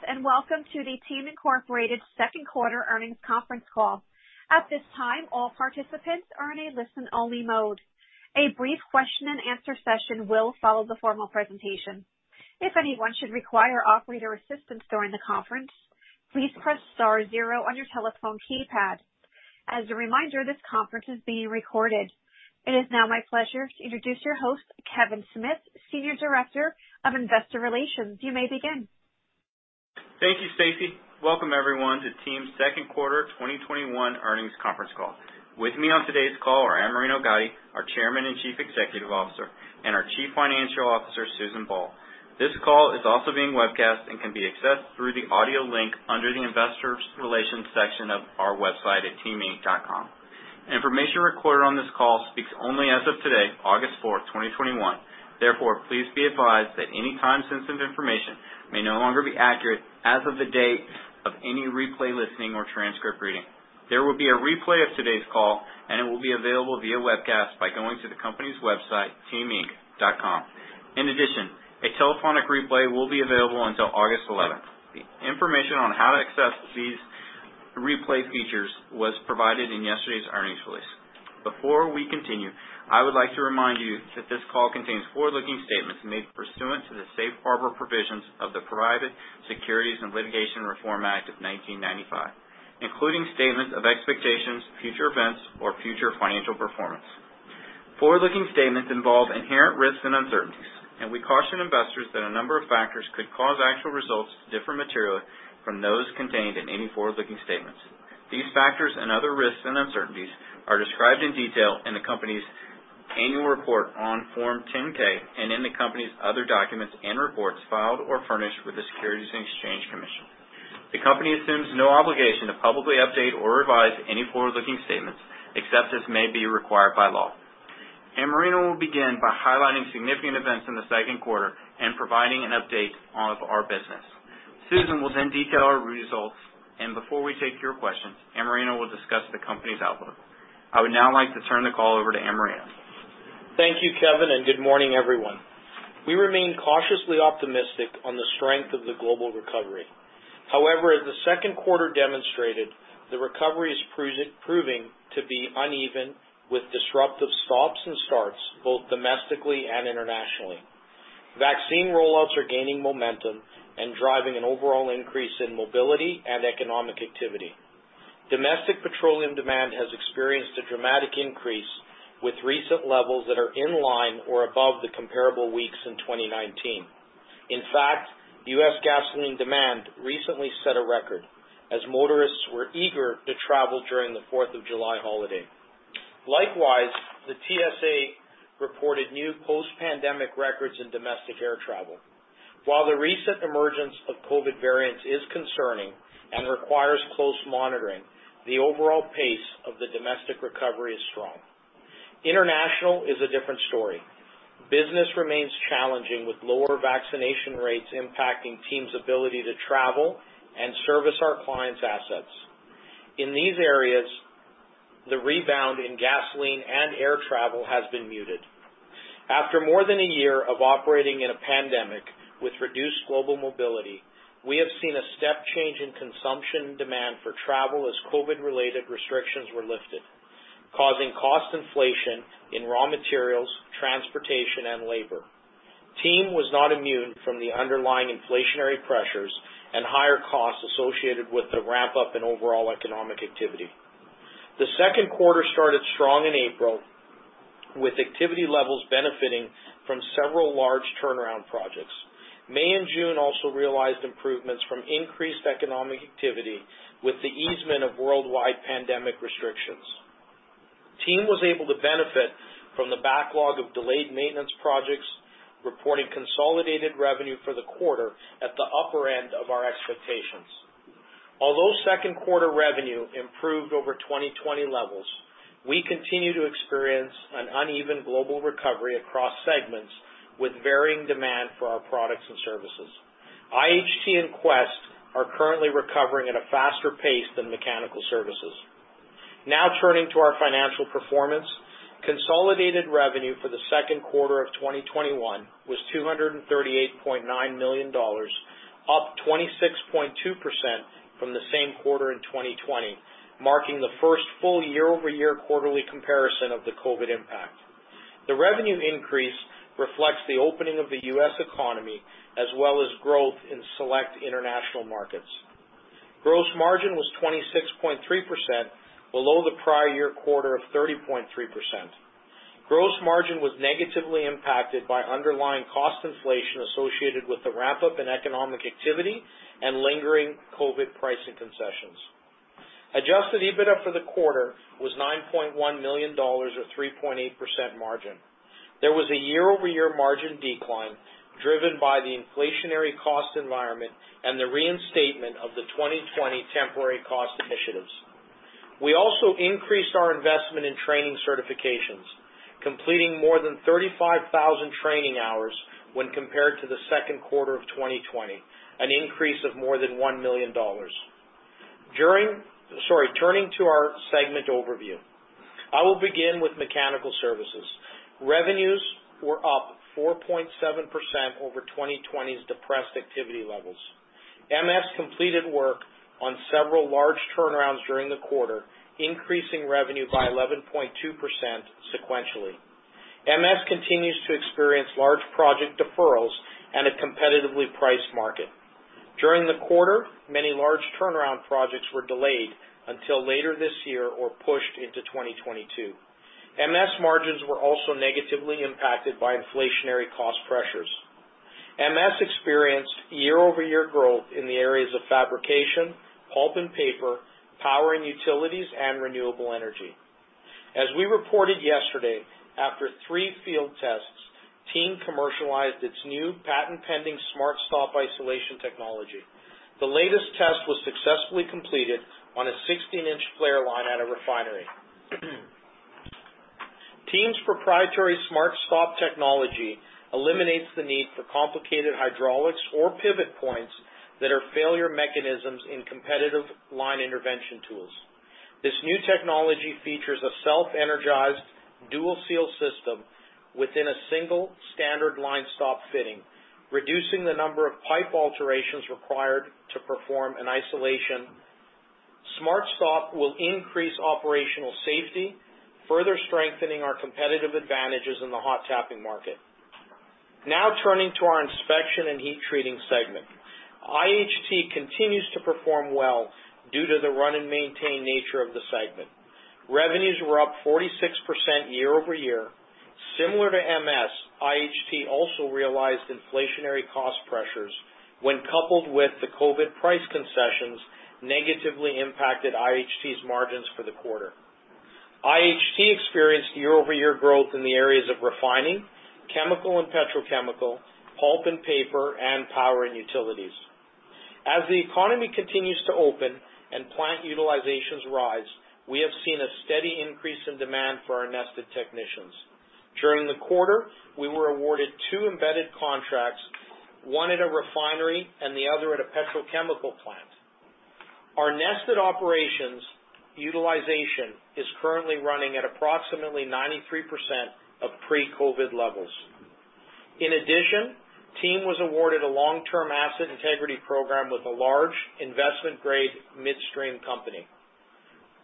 Greetings, and welcome to the TEAM, Inc. second quarter earnings conference call. It is now my pleasure to introduce your host, Kevin Smith, Senior Director of Investor Relations. You may begin. Thank you, Stacy. Welcome, everyone, to TEAM's second quarter 2021 earnings conference call. With me on today's call are Amerino Gatti, our Chairman and Chief Executive Officer, and our Chief Financial Officer, Susan Ball. This call is also being webcast and can be accessed through the audio link under the investors relations section of our website at teaminc.com. Information recorded on this call speaks only as of today, August 4, 2021. Please be advised that any time-sensitive information may no longer be accurate as of the date of any replay listening or transcript reading. There will be a replay of today's call, and it will be available via webcast by going to the company's website, teaminc.com. In addition, a telephonic replay will be available until August 11th. The information on how to access these replay features was provided in yesterday's earnings release. Before we continue, I would like to remind you that this call contains forward-looking statements made pursuant to the Safe Harbor Provisions of the Private Securities Litigation Reform Act of 1995, including statements of expectations, future events, or future financial performance. Forward-looking statements involve inherent risks and uncertainties, and we caution investors that a number of factors could cause actual results to differ materially from those contained in any forward-looking statements. These factors and other risks and uncertainties are described in detail in the company's annual report on Form 10-K, and in the company's other documents and reports filed or furnished with the Securities and Exchange Commission. The company assumes no obligation to publicly update or revise any forward-looking statements except as may be required by law. Amerino will begin by highlighting significant events in the second quarter and providing an update of our business. Susan will then detail our results, and before we take your questions, Amerino will discuss the company's outlook. I would now like to turn the call over to Amerino. Thank you, Kevin, and good morning, everyone. We remain cautiously optimistic on the strength of the global recovery. However, as the second quarter demonstrated, the recovery is proving to be uneven with disruptive stops and starts both domestically and internationally. Vaccine roll-outs are gaining momentum and driving an overall increase in mobility and economic activity. Domestic petroleum demand has experienced a dramatic increase with recent levels that are in line or above the comparable weeks in 2019. In fact, U.S. gasoline demand recently set a record as motorists were eager to travel during the Fourth of July holiday. Likewise, the TSA reported new post-pandemic records in domestic air travel. While the recent emergence of COVID variants is concerning and requires close monitoring, the overall pace of the domestic recovery is strong. International is a different story. Business remains challenging with lower vaccination rates impacting TEAM's ability to travel and service our clients' assets. In these areas, the rebound in gasoline and air travel has been muted. After more than a year of operating in a pandemic with reduced global mobility, we have seen a step change in consumption demand for travel as COVID-related restrictions were lifted, causing cost inflation in raw materials, transportation, and labor. TEAM was not immune from the underlying inflationary pressures and higher costs associated with the ramp-up in overall economic activity. The second quarter started strong in April with activity levels benefiting from several large turnaround projects. May and June also realized improvements from increased economic activity with the easement of worldwide pandemic restrictions. TEAM was able to benefit from the backlog of delayed maintenance projects, reporting consolidated revenue for the quarter at the upper end of our expectations. Although second quarter revenue improved over 2020 levels, we continue to experience an uneven global recovery across segments with varying demand for our products and services. IHT and Quest are currently recovering at a faster pace than Mechanical Services. Now turning to our financial performance. Consolidated revenue for the second quarter of 2021 was $238.9 million, up 26.2% from the same quarter in 2020, marking the first full year-over-year quarterly comparison of the COVID impact. The revenue increase reflects the opening of the U.S. economy, as well as growth in select international markets. Gross margin was 26.3%, below the prior year quarter of 30.3%. Gross margin was negatively impacted by underlying cost inflation associated with the ramp-up in economic activity and lingering COVID pricing concessions. Adjusted EBITDA for the quarter was $9.1 million or 3.8% margin. There was a year-over-year margin decline driven by the inflationary cost environment and the reinstatement of the 2020 temporary cost initiatives. We also increased our investment in training certifications, completing more than 35,000 training hours when compared to the second quarter of 2020, an increase of more than $1 million. Turning to our segment overview. I will begin with Mechanical Services. Revenues were up 4.7% over 2020's depressed activity levels. MS completed work on several large turnarounds during the quarter, increasing revenue by 11.2% sequentially. MS continues to experience large project deferrals and a competitively priced market. During the quarter, many large turnaround projects were delayed until later this year or pushed into 2022. MS margins were also negatively impacted by inflationary cost pressures. MS experienced year-over-year growth in the areas of fabrication, pulp and paper, power and utilities, and renewable energy. As we reported yesterday, after three field tests, TEAM commercialized its new patent-pending SmartStop isolation technology. The latest test was successfully completed on a 16-inch flare line at a refinery. TEAM's proprietary SmartStop technology eliminates the need for complicated hydraulics or pivot points that are failure mechanisms in competitive line intervention tools. This new technology features a self-energized dual seal system within a single standard line stop fitting, reducing the number of pipe alterations required to perform an isolation. SmartStop will increase operational safety, further strengthening our competitive advantages in the hot tapping market. Turning to our Inspection and Heat Treating segment. IHT continues to perform well due to the run-and-maintain nature of the segment. Revenues were up 46% year-over-year. Similar to MS, IHT also realized inflationary cost pressures when coupled with the COVID price concessions negatively impacted IHT's margins for the quarter. IHT experienced year-over-year growth in the areas of refining, chemical and petrochemical, pulp and paper, and power and utilities. As the economy continues to open and plant utilizations rise, we have seen a steady increase in demand for our nested technicians. During the quarter, we were awarded two embedded contracts, one at a refinery and the other at a petrochemical plant. Our nested operations utilization is currently running at approximately 93% of pre-COVID levels. In addition, TEAM was awarded a long-term asset integrity program with a large investment-grade midstream company.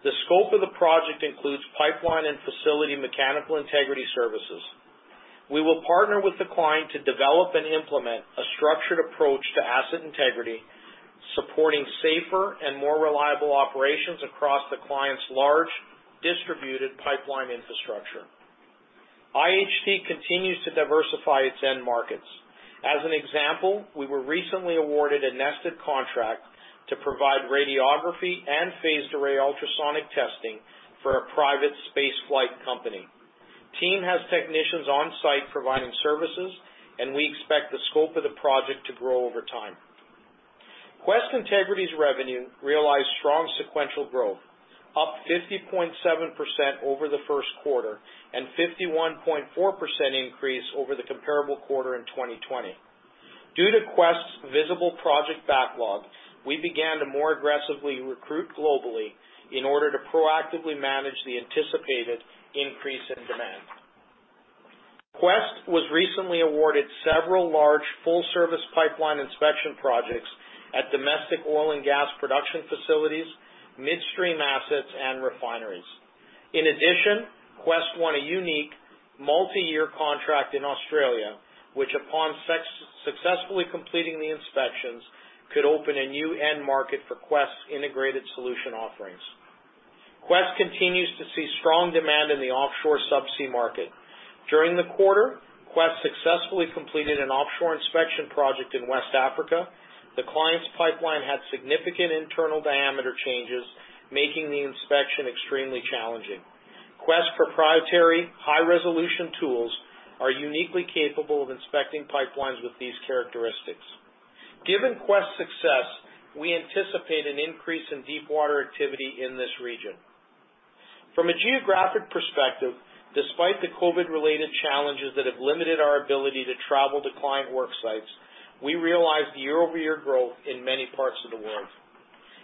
The scope of the project includes pipeline and facility mechanical integrity services. We will partner with the client to develop and implement a structured approach to asset integrity, supporting safer and more reliable operations across the client's large distributed pipeline infrastructure. IHT continues to diversify its end markets. As an example, we were recently awarded a nested contract to provide radiography and phased array ultrasonic testing for a private space flight company. TEAM has technicians on site providing services, and we expect the scope of the project to grow over time. Quest Integrity's revenue realized strong sequential growth, up 50.7% over the first quarter and 51.4% increase over the comparable quarter in 2020. Due to Quest's visible project backlog, we began to more aggressively recruit globally in order to proactively manage the anticipated increase in demand. Quest was recently awarded several large full-service pipeline inspection projects at domestic oil and gas production facilities, midstream assets, and refineries. In addition, Quest won a unique multi-year contract in Australia, which upon successfully completing the inspections, could open a new end market for Quest's integrated solution offerings. Quest continues to see strong demand in the offshore subsea market. During the quarter, Quest successfully completed an offshore inspection project in West Africa. The client's pipeline had significant internal diameter changes, making the inspection extremely challenging. Quest proprietary high-resolution tools are uniquely capable of inspecting pipelines with these characteristics. Given Quest's success, we anticipate an increase in deep water activity in this region. From a geographic perspective, despite the COVID-related challenges that have limited our ability to travel to client work sites, we realized year-over-year growth in many parts of the world.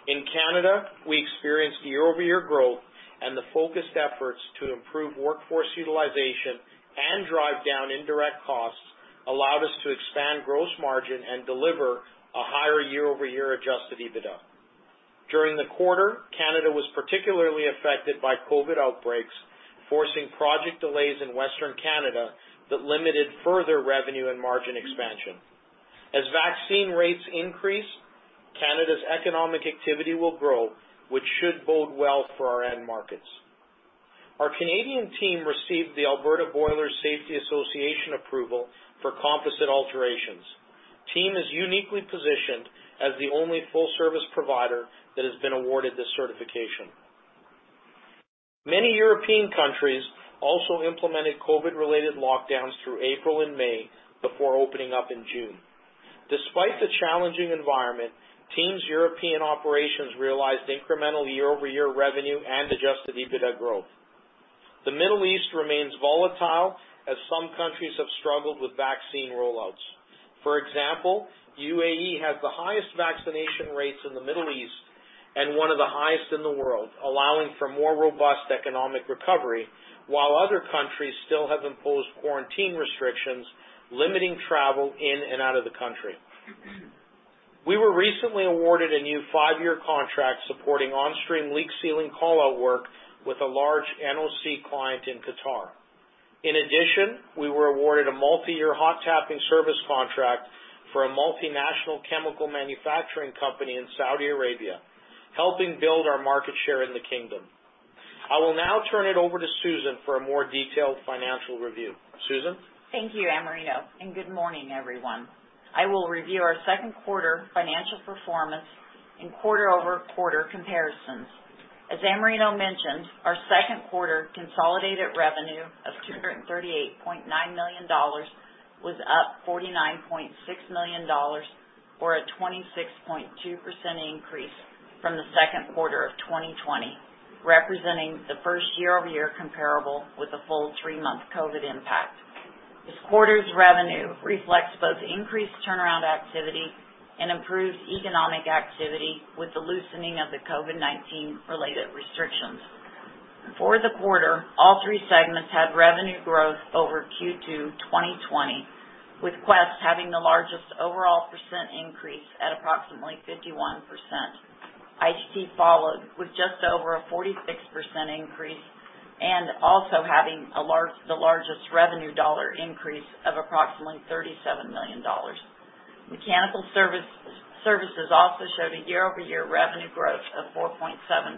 In Canada, we experienced year-over-year growth and the focused efforts to improve workforce utilization and drive down indirect costs allowed us to expand gross margin and deliver a higher year-over-year adjusted EBITDA. During the quarter, Canada was particularly affected by COVID outbreaks, forcing project delays in Western Canada that limited further revenue and margin expansion. As vaccine rates increase, Canada's economic activity will grow, which should bode well for our end markets. Our Canadian team received the Alberta Boilers Safety Association approval for composite alterations. TEAM is uniquely positioned as the only full service provider that has been awarded this certification. Many European countries also implemented COVID-related lockdowns through April and May before opening up in June. Despite the challenging environment, TEAM's European operations realized incremental year-over-year revenue and adjusted EBITDA growth. The Middle East remains volatile as some countries have struggled with vaccine rollouts. For example, UAE has the highest vaccination rates in the Middle East and one of the highest in the world, allowing for more robust economic recovery, while other countries still have imposed quarantine restrictions limiting travel in and out of the country. We were recently awarded a new five-year contract supporting on-stream leak sealing call-out work with a large NOC client in Qatar. In addition, we were awarded a multi-year hot tapping service contract for a multinational chemical manufacturing company in Saudi Arabia, helping build our market share in the kingdom. I will now turn it over to Susan for a more detailed financial review. Susan? Thank you, Amerino, and good morning, everyone. I will review our second quarter financial performance in quarter-over-quarter comparisons. As Amerino mentioned, our second quarter consolidated revenue of $238.9 million was up $49.6 million or a 26.2% increase from the second quarter of 2020, representing the first year-over-year comparable with the full three-month COVID impact. This quarter's revenue reflects both increased turnaround activity and improved economic activity with the loosening of the COVID-19 related restrictions. For the quarter, all three segments had revenue growth over Q2 2020, with Quest having the largest overall percent increase at approximately 51%. IHT followed with just over a 46% increase and also having the largest revenue dollar increase of approximately $37 million. Mechanical Services also showed a year-over-year revenue growth of 4.7%.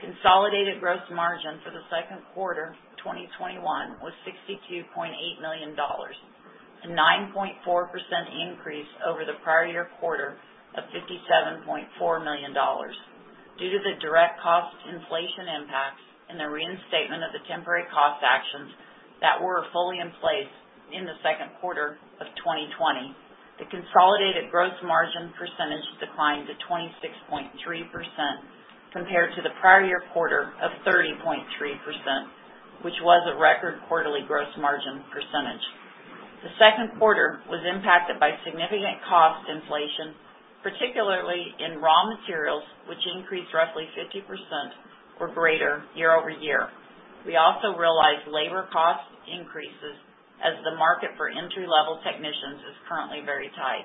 Consolidated gross margin for the second quarter 2021 was $62.8 million, a 9.4% increase over the prior year quarter of $57.4 million. Due to the direct cost inflation impacts and the reinstatement of the temporary cost actions that were fully in place in the second quarter of 2020, the consolidated gross margin percentage declined to 26.3% compared to the prior year quarter of 30.3%, which was a record quarterly gross margin percentage. The second quarter was impacted by significant cost inflation, particularly in raw materials, which increased roughly 50% or greater year-over-year. We also realized labor cost increases as the market for entry-level technicians is currently very tight.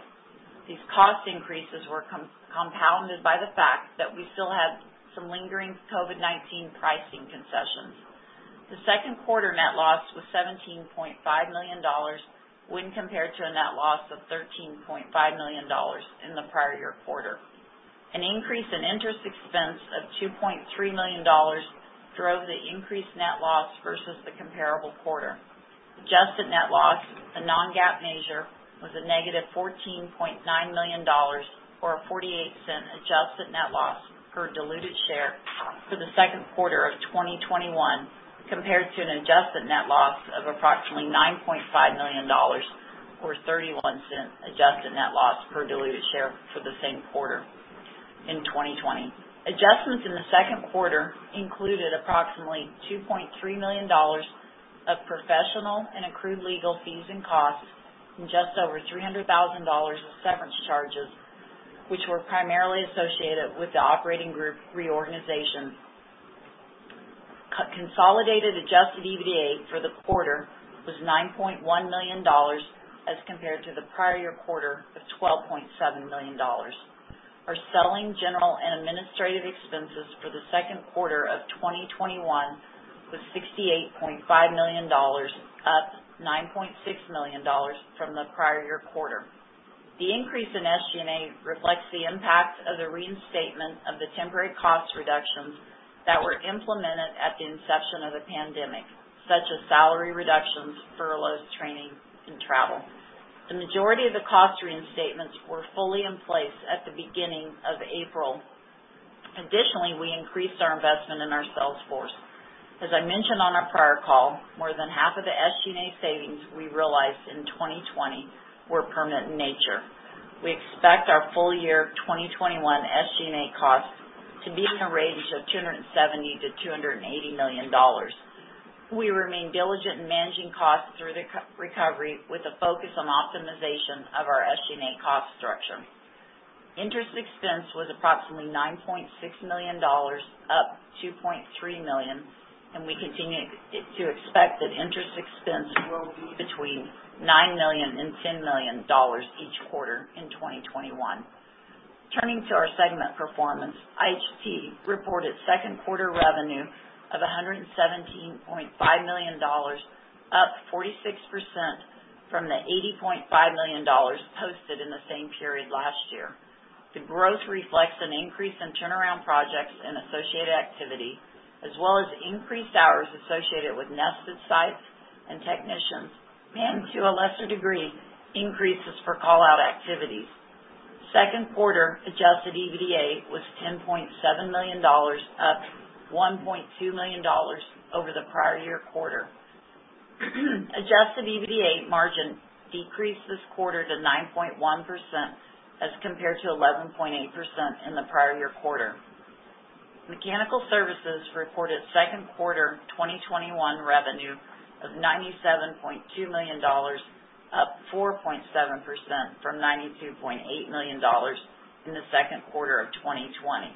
These cost increases were compounded by the fact that we still had some lingering COVID-19 pricing concessions. The second quarter net loss was $17.5 million when compared to a net loss of $13.5 million in the prior year quarter. An increase in interest expense of $2.3 million drove the increased net loss versus the comparable quarter. Adjusted net loss, a non-GAAP measure, was a negative $14.9 million, or a $0.48 adjusted net loss per diluted share for the second quarter of 2021 compared to an adjusted net loss of approximately $9.5 million or $0.31 adjusted net loss per diluted share for the same quarter in 2020. Adjustments in the second quarter included approximately $2.3 million of professional and accrued legal fees and costs and just over $300,000 of severance charges, which were primarily associated with the operating group reorganizations. Consolidated adjusted EBITDA for the quarter was $9.1 million as compared to the prior year quarter of $12.7 million. Our SG&A expenses for the second quarter of 2021 was $68.5 million, up $9.6 million from the prior year quarter. The increase in SG&A reflects the impact of the reinstatement of the temporary cost reductions that were implemented at the inception of the pandemic, such as salary reductions, furloughs, training, and travel. The majority of the cost reinstatements were fully in place at the beginning of April. Additionally, we increased our investment in our sales force. As I mentioned on our prior call, more than half of the SG&A savings we realized in 2020 were permanent in nature. We expect our full year 2021 SG&A costs to be in a range of $270 million-$280 million. We remain diligent in managing costs through the recovery with a focus on optimization of our SG&A cost structure. Interest expense was approximately $9.6 million, up $2.3 million, and we continue to expect that interest expense will be between $9 million and $10 million each quarter in 2021. Turning to our segment performance, IHT reported second quarter revenue of $117.5 million, up 46% from the $80.5 million posted in the same period last year. The growth reflects an increase in turnaround projects and associated activity, as well as increased hours associated with nested sites and technicians, and to a lesser degree, increases for call-out activities. Second quarter adjusted EBITDA was $10.7 million, up $1.2 million over the prior year quarter. Adjusted EBITDA margin decreased this quarter to 9.1%, as compared to 11.8% in the prior year quarter. Mechanical Services reported second quarter 2021 revenue of $97.2 million, up 4.7% from $92.8 million in the second quarter of 2020.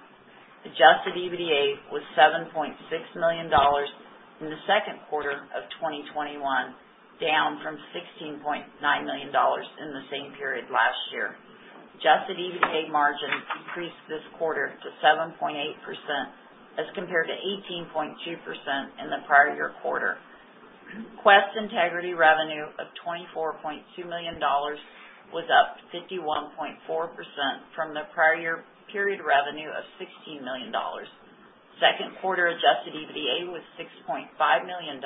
Adjusted EBITDA was $7.6 million in the second quarter of 2021, down from $16.9 million in the same period last year. Adjusted EBITDA margins increased this quarter to 7.8%, as compared to 18.2% in the prior year quarter. Quest Integrity revenue of $24.2 million was up 51.4% from the prior year period revenue of $16 million. Second quarter adjusted EBITDA was $6.5 million,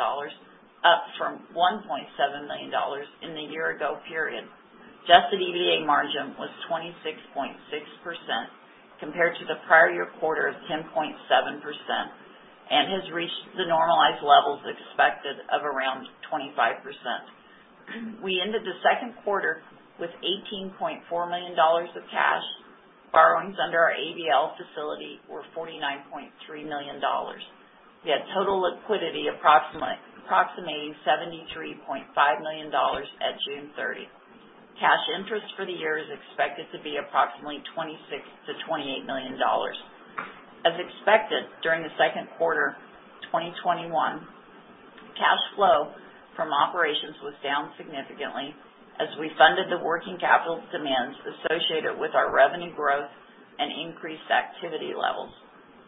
up from $1.7 million in the year ago period. Adjusted EBITDA margin was 26.6%, compared to the prior year quarter of 10.7%, and has reached the normalized levels expected of around 25%. We ended the second quarter with $18.4 million of cash. Borrowings under our ABL facility were $49.3 million. We had total liquidity approximating $73.5 million at June 30. Cash interest for the year is expected to be approximately $26 million-$28 million. As expected, during the second quarter 2021, cash flow from operations was down significantly as we funded the working capital demands associated with our revenue growth and increased activity levels.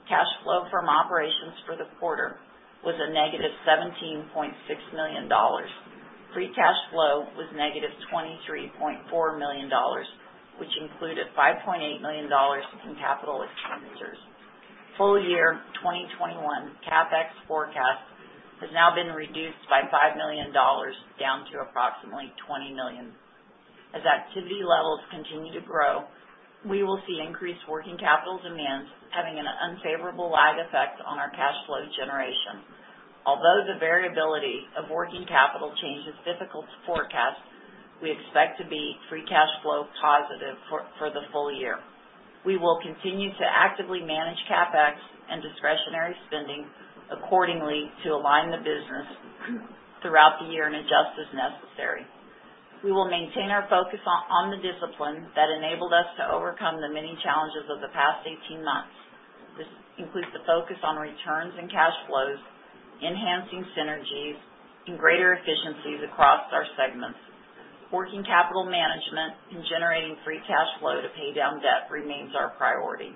Cash flow from operations for the quarter was a negative $17.6 million. Free cash flow was negative $23.4 million, which included $5.8 million in capital expenditures. Full year 2021 CapEx forecast has now been reduced by $5 million, down to approximately $20 million. As activity levels continue to grow, we will see increased working capital demands having an unfavorable lag effect on our cash flow generation. Although the variability of working capital change is difficult to forecast, we expect to be free cash flow positive for the full year. We will continue to actively manage CapEx and discretionary spending accordingly to align the business throughout the year and adjust as necessary. We will maintain our focus on the discipline that enabled us to overcome the many challenges of the past 18 months. This includes the focus on returns and cash flows, enhancing synergies and greater efficiencies across our segments. Working capital management and generating free cash flow to pay down debt remains our priority.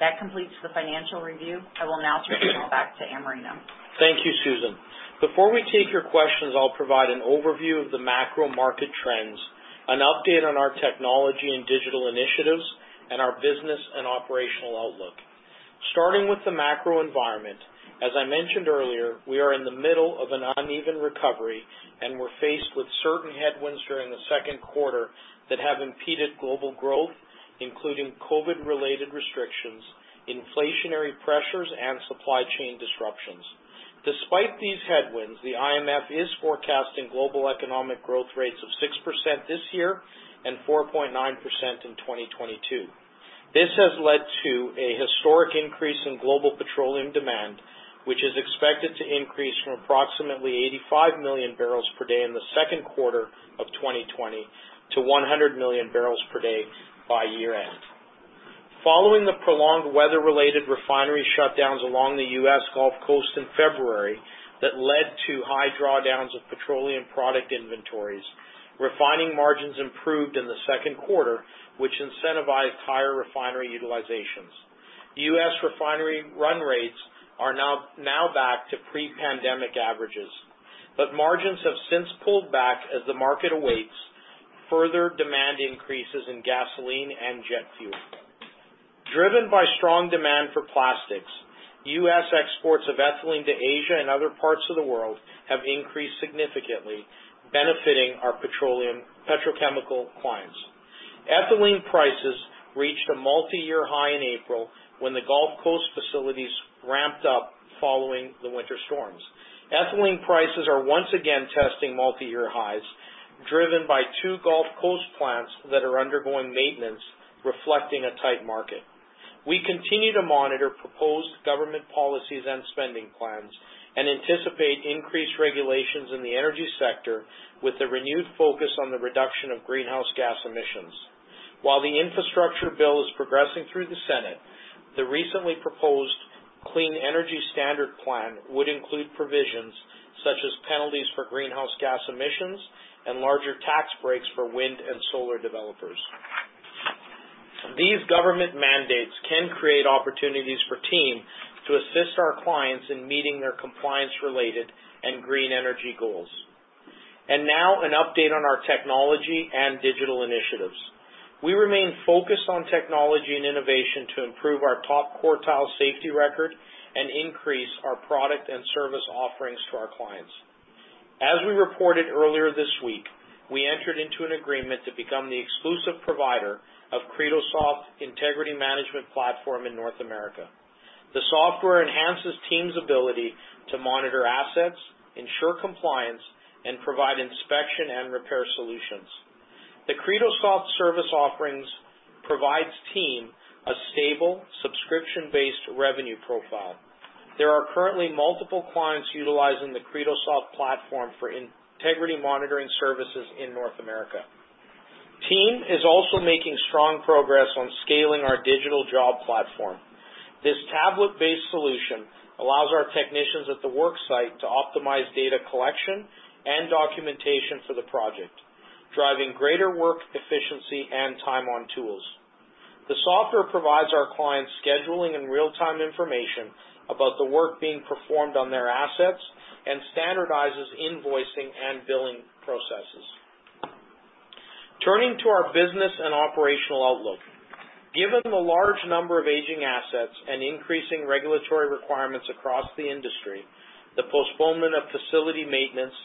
That completes the financial review. I will now turn it back to Amerino. Thank you, Susan. Before we take your questions, I'll provide an overview of the macro market trends, an update on our technology and digital initiatives, and our business and operational outlook. Starting with the macro environment, as I mentioned earlier, we are in the middle of an uneven recovery. We're faced with certain headwinds during the second quarter that have impeded global growth, including COVID-related restrictions, inflationary pressures, and supply chain disruptions. Despite these headwinds, the IMF is forecasting global economic growth rates of 6% this year and 4.9% in 2022. This has led to a historic increase in global petroleum demand, which is expected to increase from approximately 85 MMbpd in the second quarter of 2020 to 100 MMbpd by year-end. Following the prolonged weather-related refinery shutdowns along the U.S. Gulf Coast in February that led to high drawdowns of petroleum product inventories, refining margins improved in the second quarter, which incentivized higher refinery utilizations. U.S. refinery run rates are now back to pre-pandemic averages. Margins have since pulled back as the market awaits further demand increases in gasoline and jet fuel. Driven by strong demand for plastics, U.S. exports of ethylene to Asia and other parts of the world have increased significantly, benefiting our petrochemical clients. Ethylene prices reached a multiyear high in April when the Gulf Coast facilities ramped up following the winter storms. Ethylene prices are once again testing multiyear highs, driven by two Gulf Coast plants that are undergoing maintenance, reflecting a tight market. We continue to monitor proposed government policies and spending plans, and anticipate increased regulations in the energy sector with a renewed focus on the reduction of greenhouse gas emissions. While the infrastructure bill is progressing through the Senate, the recently proposed Clean Energy Standard plan would include provisions such as penalties for greenhouse gas emissions and larger tax breaks for wind and solar developers. These government mandates can create opportunities for TEAM to assist our clients in meeting their compliance-related and green energy goals. Now an update on our technology and digital initiatives. We remain focused on technology and innovation to improve our top quartile safety record and increase our product and service offerings to our clients. As we reported earlier this week, we entered into an agreement to become the exclusive provider of Credosoft Integrity Management Platform in North America. The software enhances TEAM's ability to monitor assets, ensure compliance, and provide inspection and repair solutions. The Credosoft service offerings provides TEAM a stable, subscription-based revenue profile. There are currently multiple clients utilizing the Credosoft Platform for integrity monitoring services in North America. TEAM is also making strong progress on scaling our digital job platform. This tablet-based solution allows our technicians at the work site to optimize data collection and documentation for the project, driving greater work efficiency and time on tools. The software provides our clients scheduling and real-time information about the work being performed on their assets, and standardizes invoicing and billing processes. Turning to our business and operational outlook. Given the large number of aging assets and increasing regulatory requirements across the industry, the postponement of facility maintenance,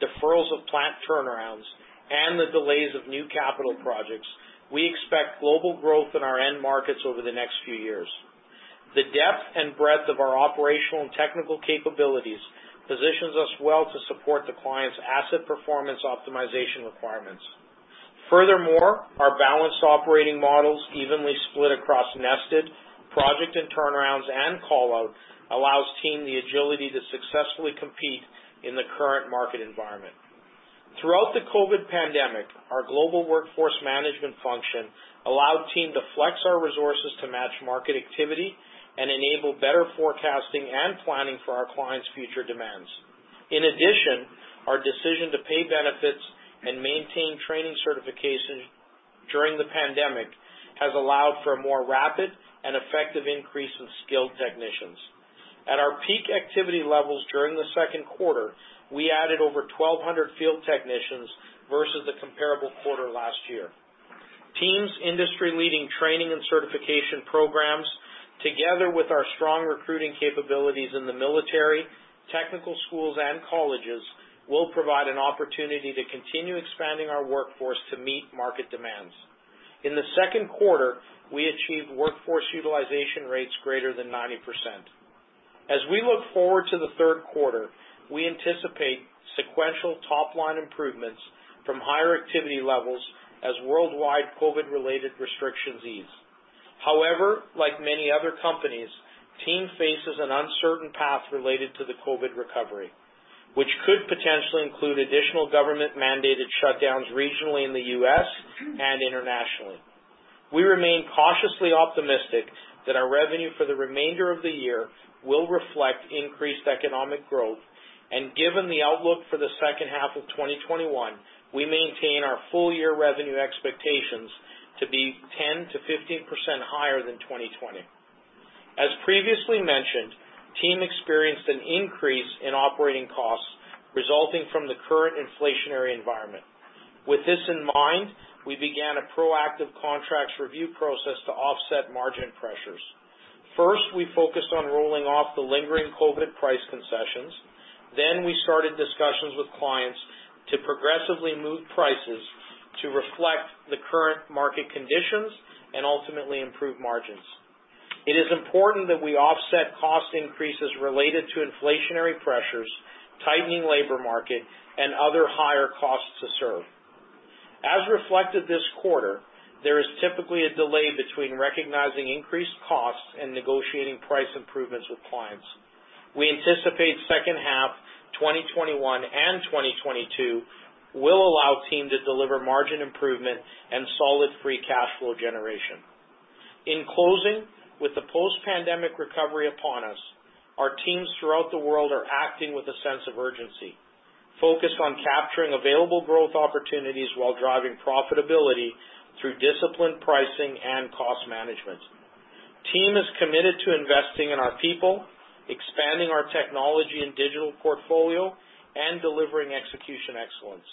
deferrals of plant turnarounds, and the delays of new capital projects, we expect global growth in our end markets over the next few years. The depth and breadth of our operational and technical capabilities positions us well to support the clients' asset performance optimization requirements. Furthermore, our balanced operating models evenly split across nested project and turnarounds and call-out allows TEAM the agility to successfully compete in the current market environment. Throughout the COVID pandemic, our global workforce management function allowed TEAM to flex our resources to match market activity and enable better forecasting and planning for our clients' future demands. In addition, our decision to pay benefits and maintain training certifications during the pandemic has allowed for a more rapid and effective increase in skilled technicians. At our peak activity levels during the second quarter, we added over 1,200 field technicians versus the comparable quarter last year. TEAM's industry-leading training and certification programs, together with our strong recruiting capabilities in the military, technical schools, and colleges, will provide an opportunity to continue expanding our workforce to meet market demands. In the second quarter, we achieved workforce utilization rates greater than 90%. As we look forward to the third quarter, we anticipate sequential top-line improvements from higher activity levels as worldwide COVID-related restrictions ease. Like many other companies, TEAM faces an uncertain path related to the COVID recovery, which could potentially include additional government-mandated shutdowns regionally in the U.S. and internationally. We remain cautiously optimistic that our revenue for the remainder of the year will reflect increased economic growth, and given the outlook for the second half of 2021, we maintain our full-year revenue expectations to be 10%-15% higher than 2020. As previously mentioned, TEAM experienced an increase in operating costs resulting from the current inflationary environment. With this in mind, we began a proactive contracts review process to offset margin pressures. First, we focused on rolling off the lingering COVID price concessions. We started discussions with clients to progressively move prices to reflect the current market conditions and ultimately improve margins. It is important that we offset cost increases related to inflationary pressures, tightening labor market, and other higher costs to serve. As reflected this quarter, there is typically a delay between recognizing increased costs and negotiating price improvements with clients. We anticipate second half 2021 and 2022 will allow TEAM to deliver margin improvement and solid free cash flow generation. In closing, with the post-pandemic recovery upon us, our teams throughout the world are acting with a sense of urgency, focused on capturing available growth opportunities while driving profitability through disciplined pricing and cost management. TEAM is committed to investing in our people, expanding our technology and digital portfolio, and delivering execution excellence.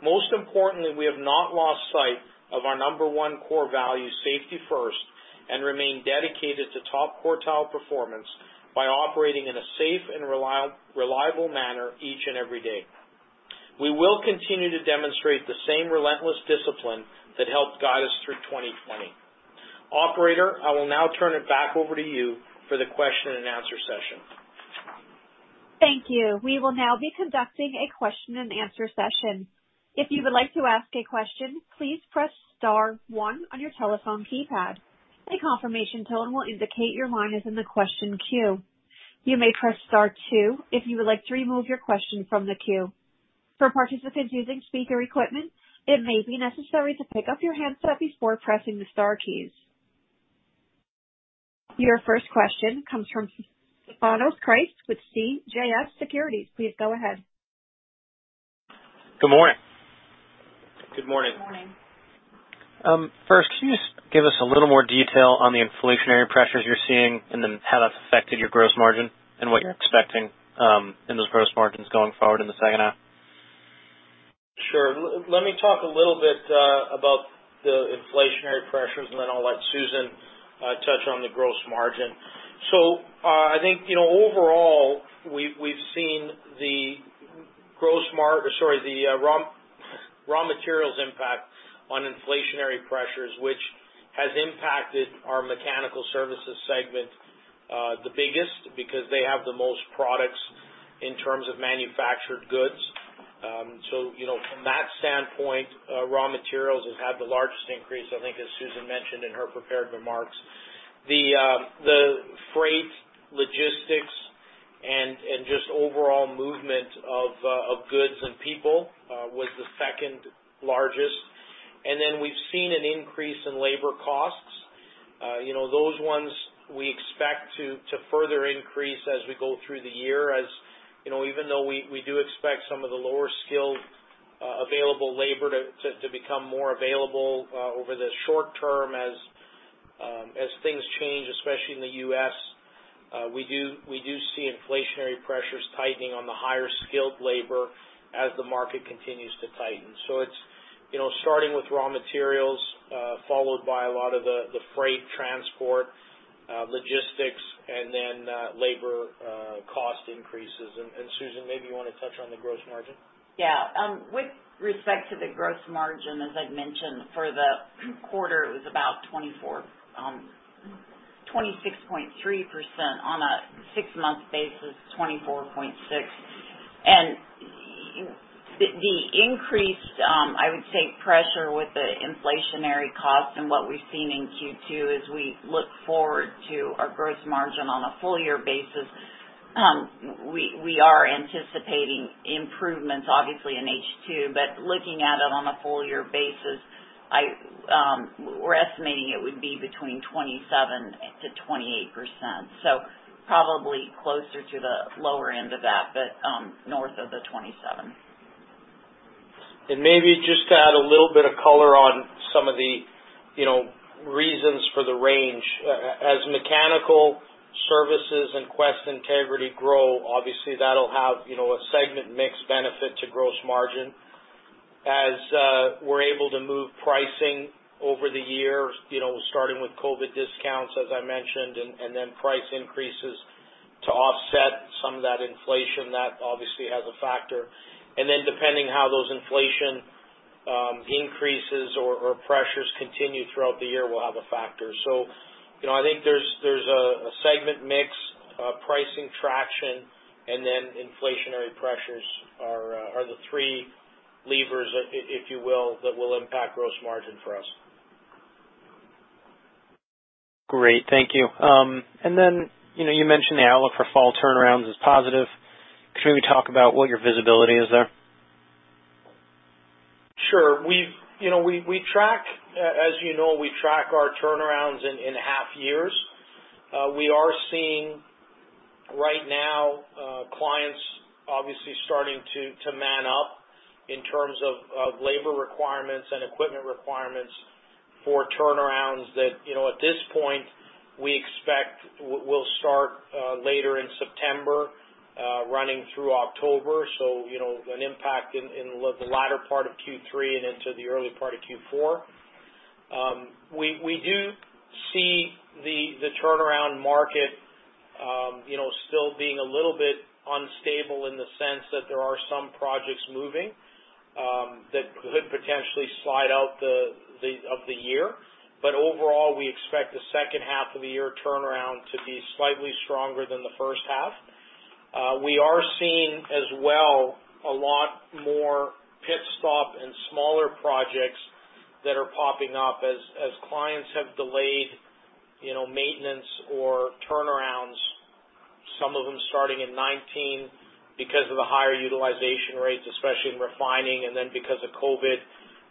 Most importantly, we have not lost sight of our number one core value, safety first, and remain dedicated to top quartile performance by operating in a safe and reliable manner each and every day. We will continue to demonstrate the same relentless discipline that helped guide us through 2020. Operator, I will now turn it back over to you for the question-and-answer session. Thank you. Your first question comes from Stefanos Crist with CJS Securities. Please go ahead. Good morning. Good morning. Good morning. Can you just give us a little more detail on the inflationary pressures you're seeing, and then how that's affected your gross margin and what you're expecting in those gross margins going forward in the second half? Sure. Let me talk a little bit about the inflationary pressures, and then I'll let Susan touch on the gross margin. I think overall, we've seen the raw materials impact on inflationary pressures, which has impacted our Mechanical Services segment the biggest, because they have the most products in terms of manufactured goods. From that standpoint, raw materials has had the largest increase, I think, as Susan mentioned in her prepared remarks. The freight logistics and just overall movement of goods and people was the second largest. Then we've seen an increase in labor costs. Those ones we expect to further increase as we go through the year. Even though we do expect some of the lower skilled available labor to become more available over the short term as things change, especially in the U.S., we do see inflationary pressures tightening on the higher skilled labor as the market continues to tighten. It's starting with raw materials, followed by a lot of the freight transport, logistics, and then labor cost increases. Susan, maybe you want to touch on the gross margin? Yeah. With respect to the gross margin, as I'd mentioned for the quarter, it was about 26.3% on a six-month basis, 24.6%. The increased, I would say, pressure with the inflationary cost and what we've seen in Q2 as we look forward to our gross margin on a full year basis, we are anticipating improvements obviously in H2. Looking at it on a full year basis, we're estimating it would be between 27%-28%. Probably closer to the lower end of that, but north of the 27%. Maybe just to add a little bit of color on some of the reasons for the range. As Mechanical Services and Quest Integrity grow, obviously that'll have a segment mix benefit to gross margin. As we're able to move pricing over the year, starting with COVID discounts, as I mentioned, and then price increases to offset some of that inflation, that obviously has a factor. Then depending how those inflation increases or pressures continue throughout the year will have a factor. I think there's a segment mix, pricing traction, and then inflationary pressures are the three levers, if you will, that will impact gross margin for us. Great. Thank you. You mentioned the outlook for fall turnarounds is positive. Could you maybe talk about what your visibility is there? Sure. As you know, we track our turnarounds in half years. We are seeing right now, clients obviously starting to man up in terms of labor requirements and equipment requirements for turnarounds that at this point we expect will start later in September, running through October. An impact in the latter part of Q3 and into the early part of Q4. We do see the turnaround market still being a little bit unstable in the sense that there are some projects moving that could potentially slide out of the year. Overall, we expect the second half of the year turnaround to be slightly stronger than the first half. We are seeing as well, a lot more pit stop and smaller projects that are popping up as clients have delayed maintenance or turnarounds, some of them starting in 2019 because of the higher utilization rates, especially in refining, and then because of COVID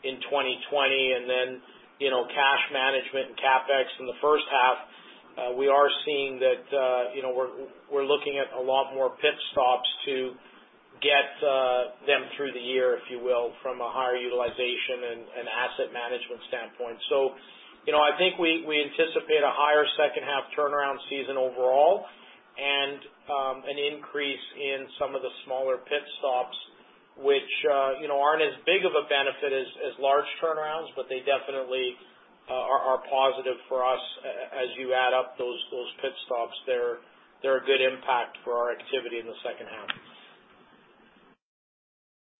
in 2020, and then cash management and CapEx in the first half. We're looking at a lot more pit stops to get them through the year, if you will, from a higher utilization and asset management standpoint. I think we anticipate a higher second half turnaround season overall and an increase in some of the smaller pit stops, which aren't as big of a benefit as large turnarounds, but they definitely are positive for us. As you add up those pit stops, they're a good impact for our activity in the second half.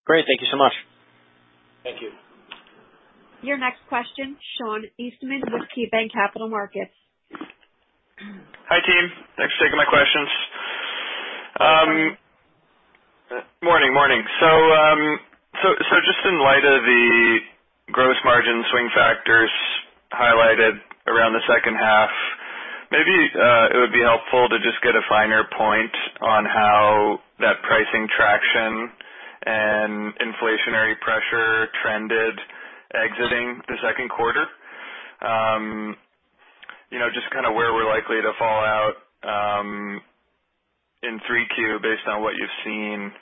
Great. Thank you so much. Thank you. Your next question, Sean Eastman with KeyBanc Capital Markets. Hi, team. Thanks for taking my questions. Morning. Just in light of the gross margin swing factors highlighted around the second half, maybe it would be helpful to just get a finer point on how that pricing traction and inflationary pressure trended exiting the second quarter. Just kind of where we're likely to fall out in 3Q based on what you've seen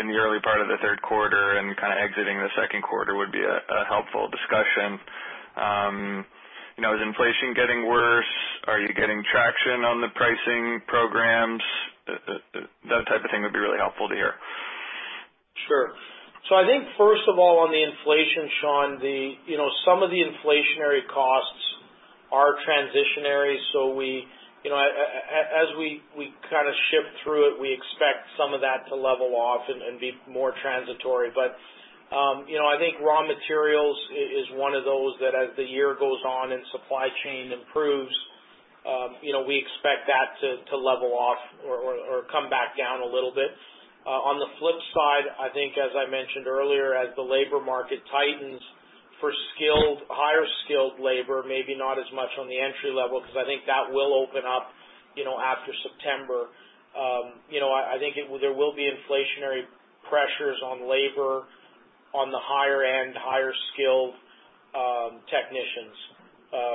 in the early part of the third quarter and kind of exiting the second quarter would be a helpful discussion. Is inflation getting worse? Are you getting traction on the pricing programs? That type of thing would be really helpful to hear. Sure. I think first of all, on the inflation, Sean, some of the inflationary costs are transitionary. As we kind of shift through it, we expect some of that to level off and be more transitory. I think raw materials is one of those that as the year goes on and supply chain improves, we expect that to level off or come back down a little bit. On the flip side, I think as I mentioned earlier, as the labor market tightens for higher skilled labor, maybe not as much on the entry level, because I think that will open up after September. I think there will be inflationary pressures on labor on the higher end, higher skilled technicians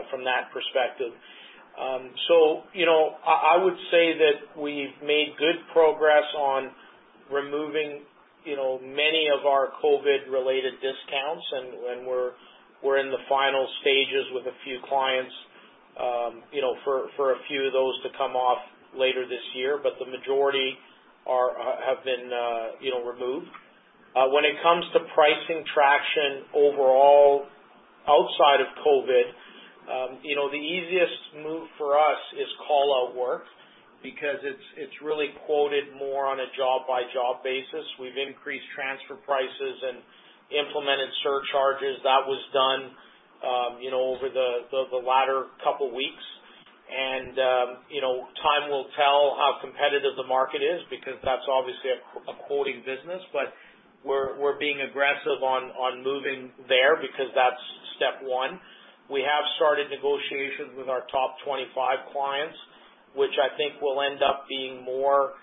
from that perspective. I would say that we've made good progress on removing many of our COVID related discounts, and we're in the final stages with a few clients for a few of those to come off later this year. The majority have been removed. When it comes to pricing traction overall, outside of COVID, the easiest move for us is call-out work because it's really quoted more on a job-by-job basis. We've increased transfer prices and implemented surcharges. That was done over the latter couple weeks. Time will tell how competitive the market is, because that's obviously a quoting business. We're being aggressive on moving there because that's step one. We have started negotiations with our top 25 clients, which I think will end up being more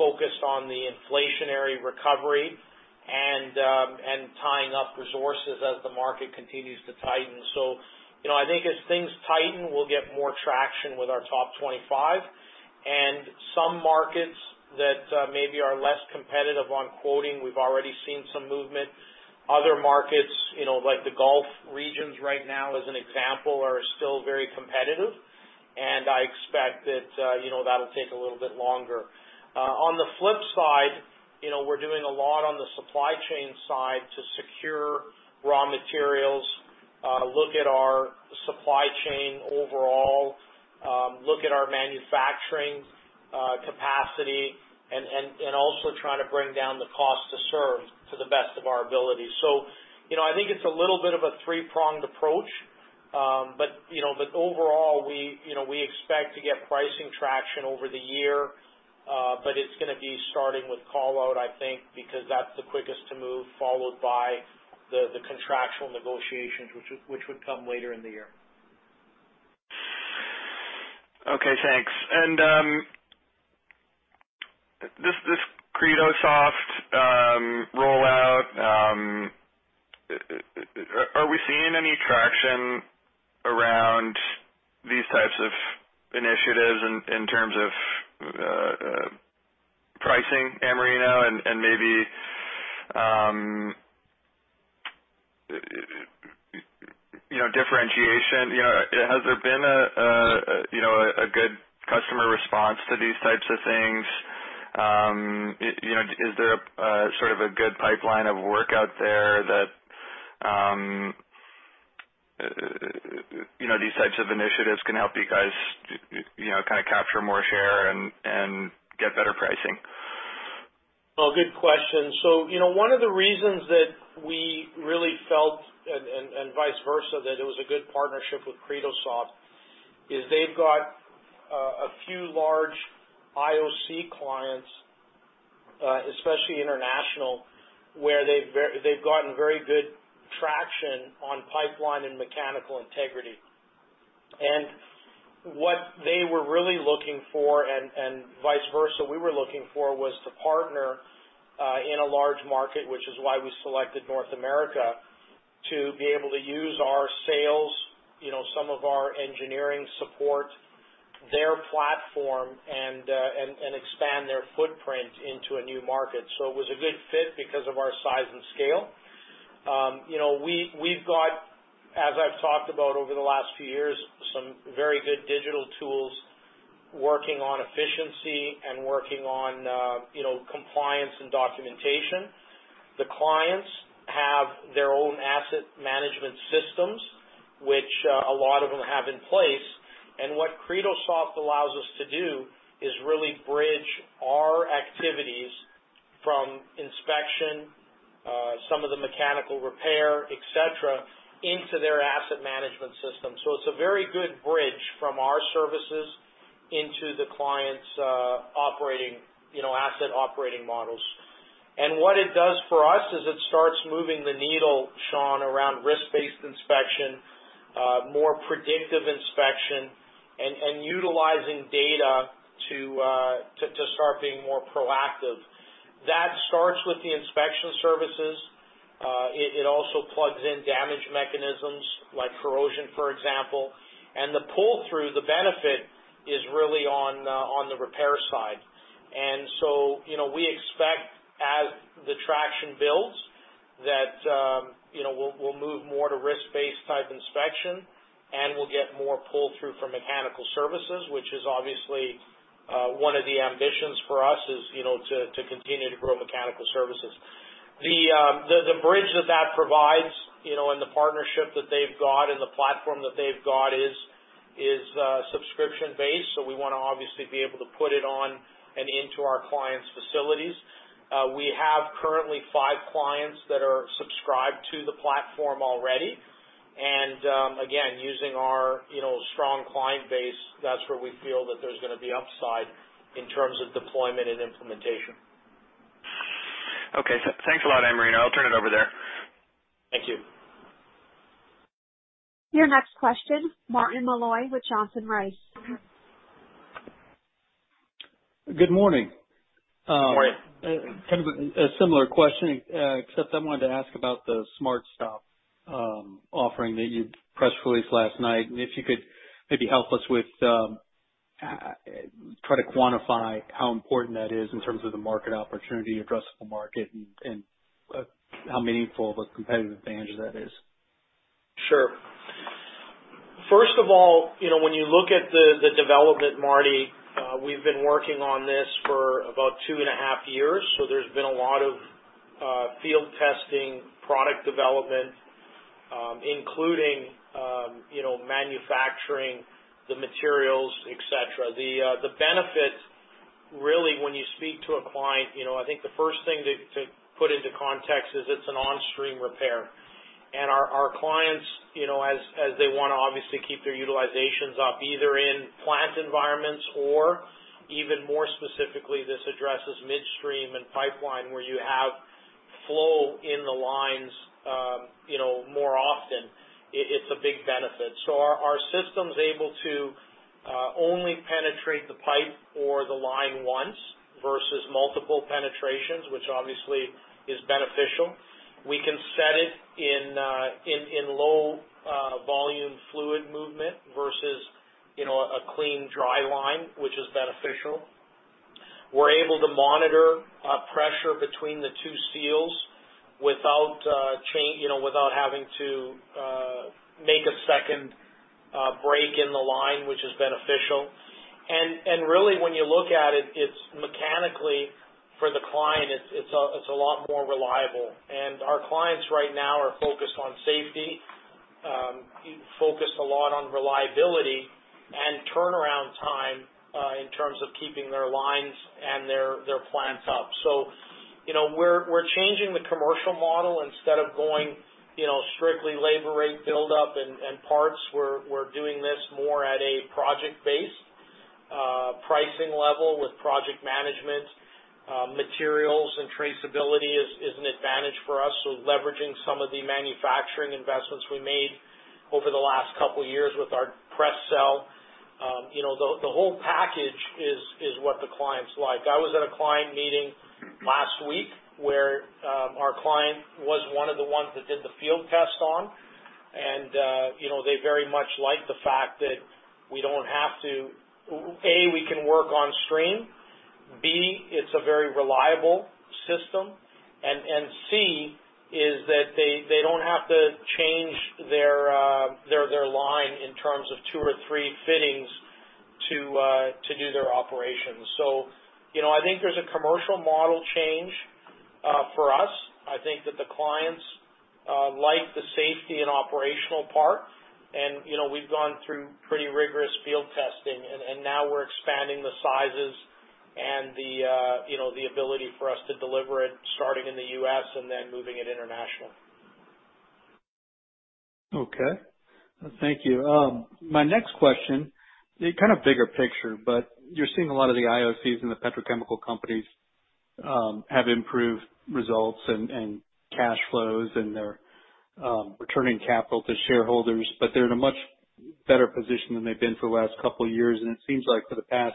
focused on the inflationary recovery and tying up resources as the market continues to tighten. I think as things tighten, we'll get more traction with our top 25. Some markets that maybe are less competitive on quoting, we've already seen some movement. Other markets, like the Gulf regions right now, as an example, are still very competitive, and I expect that that'll take a little bit longer. On the flip side, we're doing a lot on the supply chain side to secure raw materials, look at our supply chain overall, look at our manufacturing capacity, and also try to bring down the cost to serve to the best of our ability. I think it's a little bit of a three-pronged approach. Overall, we expect to get pricing traction over the year, but it's going to be starting with call-out, I think, because that's the quickest to move, followed by the contractual negotiations, which would come later in the year. Okay, thanks. This Credosoft rollout, are we seeing any traction around these types of initiatives in terms of pricing, Amerino? Maybe differentiation. Has there been a good customer response to these types of things? Is there sort of a good pipeline of work out there that these types of initiatives can help you guys kind of capture more share and get better pricing? Well, good question. One of the reasons that we really felt, and vice versa, that it was a good partnership with Credosoft is they've got a few large IOC clients, especially international, where they've gotten very good traction on pipeline and mechanical integrity. What they were really looking for, and vice versa, we were looking for, was to partner in a large market, which is why we selected North America, to be able to use our sales, some of our engineering support, their platform, and expand their footprint into a new market. It was a good fit because of our size and scale. We've got, as I've talked about over the last few years, some very good digital tools working on efficiency and working on compliance and documentation. The clients have their own asset management systems, which a lot of them have in place. What Credosoft allows us to do is really bridge our activities from inspection, some of the mechanical repair, et cetera, into their asset management system. It is a very good bridge from our services into the client's asset operating models. What it does for us is it starts moving the needle, Sean, around risk-based inspection, more predictive inspection, and utilizing data to start being more proactive. That starts with the inspection services. It also plugs in damage mechanisms like corrosion, for example. The pull-through, the benefit, is really on the repair side. We expect as the traction builds, that we'll move more to risk-based type inspection, and we'll get more pull-through from Mechanical Services, which is obviously one of the ambitions for us is to continue to grow Mechanical Services. The bridge that that provides and the partnership that they've got and the platform that they've got is subscription-based. We want to obviously be able to put it on and into our clients' facilities. We have currently five clients that are subscribed to the platform already. Using our strong client base, that's where we feel that there's going to be upside in terms of deployment and implementation. Okay. Thanks a lot, Amerino. I'll turn it over there. Thank you. Your next question, Martin Malloy with Johnson Rice. Good morning. Good morning. Kind of a similar question, except I wanted to ask about the SmartStop offering, the press release last night, and if you could maybe help us with, try to quantify how important that is in terms of the market opportunity, addressable market, and how meaningful of a competitive advantage that is. Sure. First of all, when you look at the development, Marty, we've been working on this for about two and a half years, so there's been a lot of field testing, product development, including manufacturing the materials, et cetera. The benefit, really, when you speak to a client, I think the first thing to put into context is it's an on-stream repair. Our clients, as they want to obviously keep their utilizations up, either in plant environments or even more specifically, this addresses midstream and pipeline where you have flow in the lines more often. It's a big benefit. Our system's able to only penetrate the pipe or the line once versus multiple penetrations, which obviously is beneficial. We can set it in low volume fluid movement versus a clean dry line, which is beneficial. We're able to monitor pressure between the two seals without having to make a second break in the line, which is beneficial. Really when you look at it, mechanically for the client, it's a lot more reliable. Our clients right now are focused on safety, focused a lot on reliability, and turnaround time in terms of keeping their lines and their plants up. We're changing the commercial model. Instead of going strictly labor rate build-up and parts, we're doing this more at a project-based pricing level with project management. Materials and traceability is an advantage for us, so leveraging some of the manufacturing investments we made over the last couple of years with our press seal. The whole package is what the clients like. I was at a client meeting last week where our client was one of the ones that did the field test on, and they very much like the fact that A, we can work on stream, B, it's a very reliable system, and C, is that they don't have to change their line in terms of two or three fittings to do their operations. I think there's a commercial model change for us. I think that the clients like the safety and operational part. We've gone through pretty rigorous field testing, and now we're expanding the sizes and the ability for us to deliver it, starting in the U.S. and then moving it international. Okay. Thank you. My next question, kind of bigger picture, but you're seeing a lot of the IOCs and the petrochemical companies have improved results and cash flows, and they're returning capital to shareholders, but they're in a much better position than they've been for the last couple of years. It seems like for the past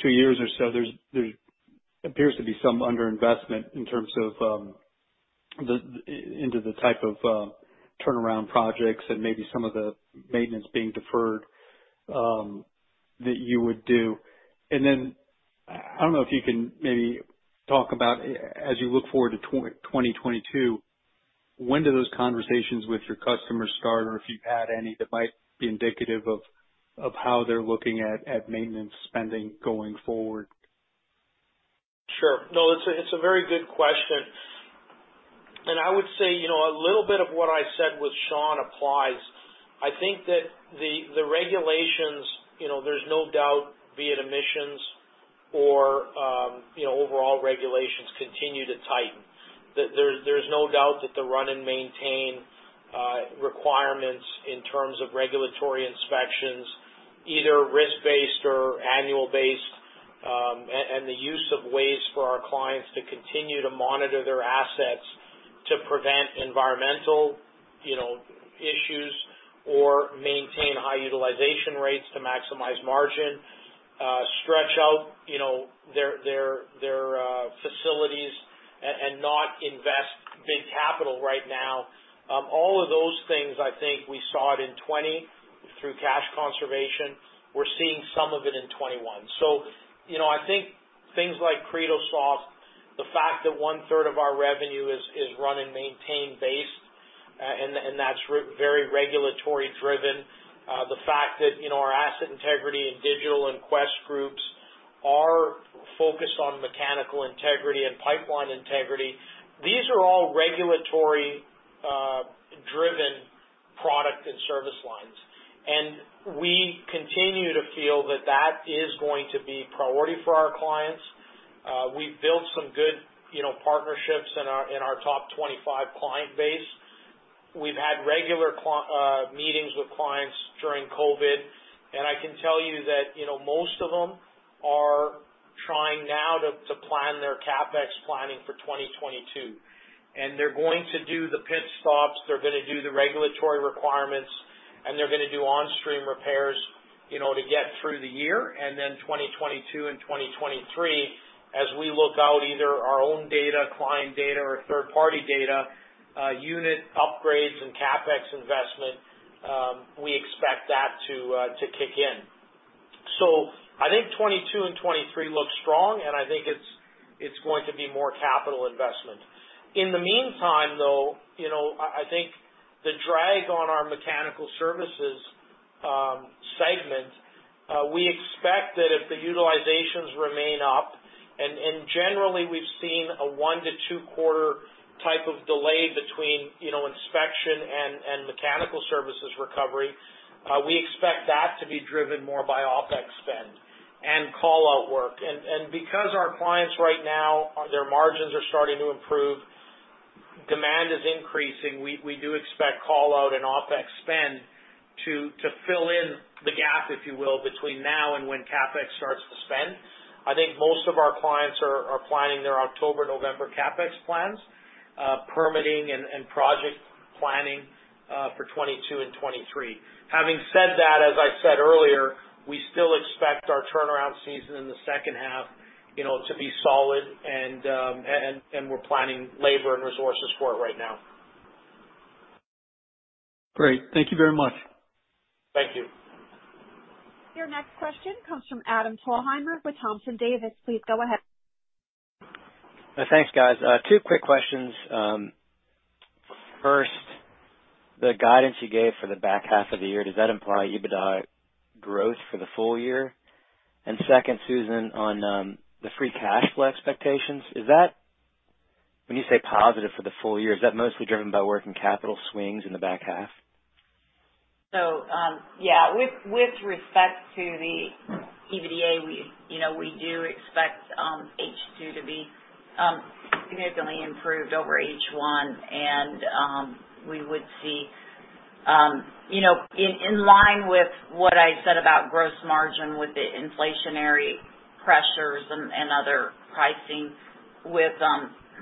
two years or so, there appears to be some underinvestment into the type of turnaround projects and maybe some of the maintenance being deferred that you would do. I don't know if you can maybe talk about, as you look forward to 2022, when do those conversations with your customers start, or if you've had any that might be indicative of how they're looking at maintenance spending going forward? Sure. No, it's a very good question. I would say, a little bit of what I said with Sean applies. I think that the regulations, there's no doubt, be it emissions or overall regulations continue to tighten. There's no doubt that the run-and-maintain requirements in terms of regulatory inspections, either risk-based or annual-based, and the use of ways for our clients to continue to monitor their assets to prevent environmental issues or maintain high utilization rates to maximize margin, stretch out their facilities and not invest big capital right now. All of those things, I think we saw it in 2020 through cash conservation. We're seeing some of it in 2021. I think things like Credosoft, the fact that one-third of our revenue is run-and-maintain based, and that's very regulatory driven. The fact that our asset integrity and digital and Quest are focused on mechanical integrity and pipeline integrity. These are all regulatory-driven product and service lines. We continue to feel that that is going to be priority for our clients. We've built some good partnerships in our top 25 client base. We've had regular meetings with clients during COVID, and I can tell you that most of them are trying now to plan their CapEx for 2022. They're going to do the pit stops, they're going to do the regulatory requirements, and they're going to do on-stream repairs to get through the year, and then 2022 and 2023, as we look out either our own data, client data, or third-party data, unit upgrades and CapEx, we expect that to kick in. I think 2022 and 2023 look strong, and I think it's going to be more capital investment. In the meantime, though, I think the drag on our Mechanical Services segment, we expect that if the utilizations remain up, and generally, we've seen a one to two-quarter type of delay between Inspection and Mechanical Services recovery. We expect that to be driven more by OpEx spend and call-out work. Because our clients right now, their margins are starting to improve, demand is increasing. We do expect call-out and OpEx spend to fill in the gap, if you will, between now and when CapEx starts to spend. I think most of our clients are planning their October, November CapEx plans, permitting and project planning for 2022 and 2023. Having said that, as I said earlier, we still expect our turnaround season in the second half to be solid, and we're planning labor and resources for it right now. Great. Thank you very much. Thank you. Your next question comes from Adam Thalhimer with Thompson, Davis & Co. Please go ahead. Thanks, guys. Two quick questions. First, the guidance you gave for the back half of the year, does that imply EBITDA growth for the full year? Second, Susan, on the free cash flow expectations, when you say positive for the full year, is that mostly driven by working capital swings in the back half? Yeah. With respect to the EBITDA, we do expect H2 to be significantly improved over H1, and we would see in line with what I said about gross margin with the inflationary pressures and other pricing with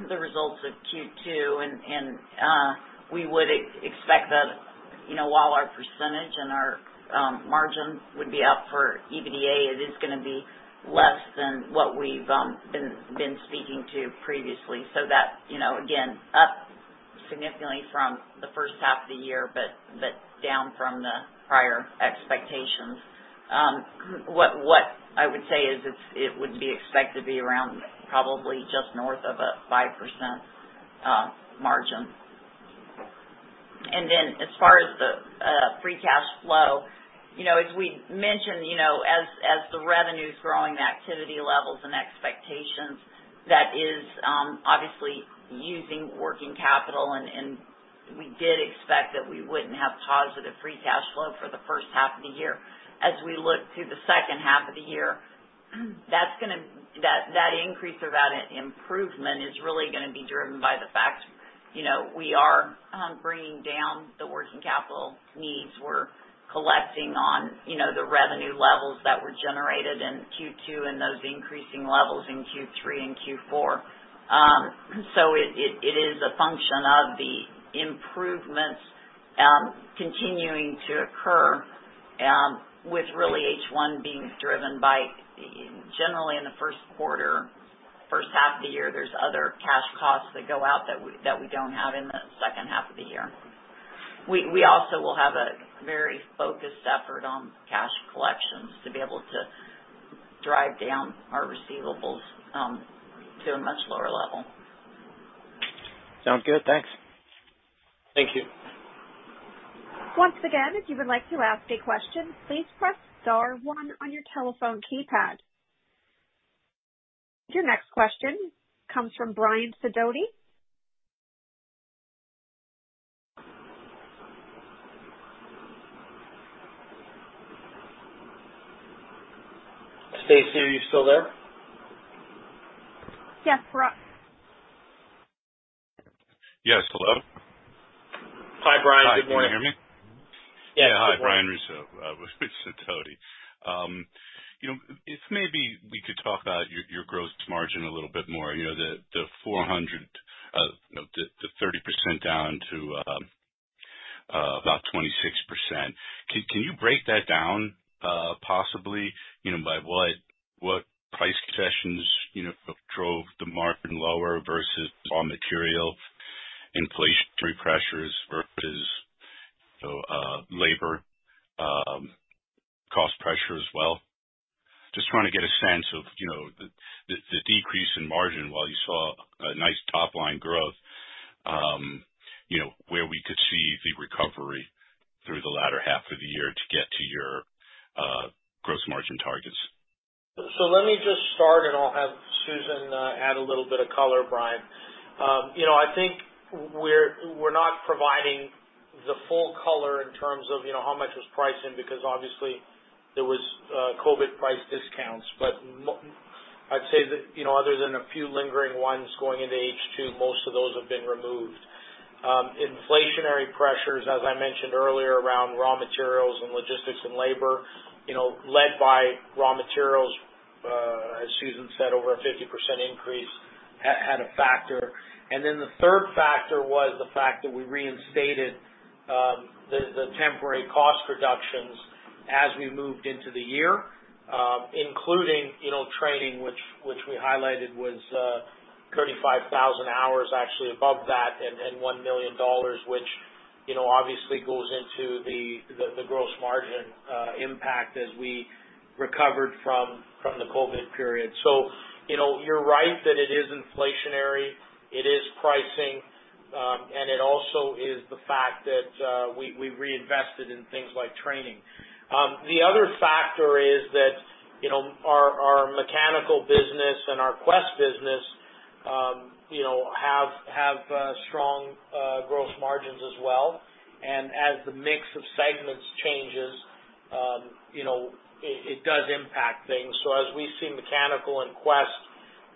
the results of Q2, and we would expect that while our percentage and our margin would be up for EBITDA, it is going to be less than what we've been speaking to previously. That, again, up significantly from the first half of the year but down from the prior expectations. What I would say is it would be expected to be around probably just north of a 5% margin. As far as the free cash flow, as we mentioned, as the revenue's growing, the activity levels and expectations, that is obviously using working capital, and we did expect that we wouldn't have positive free cash flow for the first half of the year. As we look to the second half of the year, that increase or that improvement is really going to be driven by the fact we are bringing down the working capital needs. We're collecting on the revenue levels that were generated in Q2 and those increasing levels in Q3 and Q4. It is a function of the improvements continuing to occur, with really H1 being driven by generally in the first quarter, first half of the year, there's other cash costs that go out that we don't have in the second half of the year. We also will have a very focused effort on cash collections to be able to drive down our receivables to a much lower level. Sound good. Thanks. Thank you. Once again, if you would like to ask a question, please press star one on your telephone keypad. Your next question comes from Brian Russo. Stacy, are you still there? Yes, we're up. Yes. Hello? Hi, Brian. Good morning. Hi. Can you hear me? Yes. Good morning. Yeah. Hi, Brian Russo with Sidoti. If maybe we could talk about your gross margin a little bit more, the 30% down to about 26%. Can you break that down possibly by what price concessions drove the margin lower versus raw material inflationary pressures versus labor cost pressure as well? Just trying to get a sense of decrease in margin while you saw a nice top-line growth, where we could see the recovery through the latter half of the year to get to your gross margin targets? Let me just start, and I'll have Susan add a little bit of color, Brian. I think we're not providing the full color in terms of how much was pricing, because obviously there was COVID price discounts. I'd say that other than a few lingering ones going into H2, most of those have been removed. Inflationary pressures, as I mentioned earlier, around raw materials and logistics and labor, led by raw materials, as Susan said, over a 50% increase, had a factor. The third factor was the fact that we reinstated the temporary cost reductions as we moved into the year, including training, which we highlighted was 35,000 hours, actually above that, and $1 million, which obviously goes into the gross margin impact as we recovered from the COVID period. You're right that it is inflationary, it is pricing, and it also is the fact that we reinvested in things like training. The other factor is that our Mechanical Services business and our Quest Integrity business have strong gross margins as well. As the mix of segments changes, it does impact things. As we see Mechanical Services and Quest Integrity